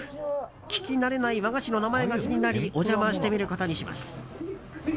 聞き慣れない和菓子の名前が気になりお邪魔してみることにします。